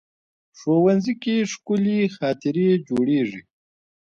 ښوونځی کې ښکلي خاطرې جوړېږي